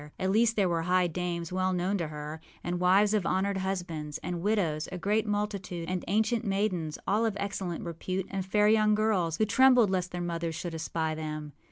At least there were high dames well known to her, and wives of honored husbands, and widows, a great multitude, and ancient maidens, all of excellent repute, and fair young girls, who trembled lest their mothers should espy them.